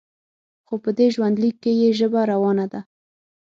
خو په دې ژوندلیک کې یې ژبه روانه ده.